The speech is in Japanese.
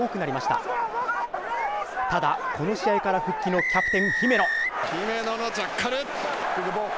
ただ、この試合から復帰のキャプテン、姫野のジャッカル。